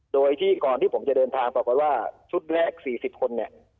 โดยที่ก่อนที่ผมจะเดินทางบอกว่าชุดแรก๔๐คน